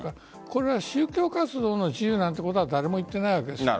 これは宗教活動の自由なんてことは誰も言っていないわけです。